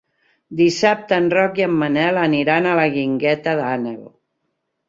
Dissabte en Roc i en Manel aniran a la Guingueta d'Àneu.